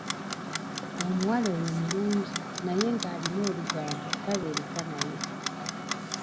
Omuwala oyo mulungi naye nga alina olugambo tabeereka naye.